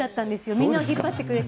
みんなを引っ張ってくれて。